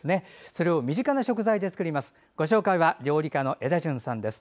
それを身近な食材で作ります。